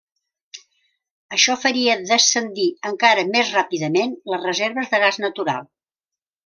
Això faria descendir encara més ràpidament les reserves de gas natural.